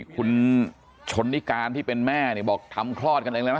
คุณชนนิการที่เป็นแม่บอกทำคลอดกันเลยนะฮะ